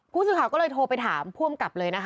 หูศูนย์ขาวก็เลยโทรไปถามผู้อำกับเลย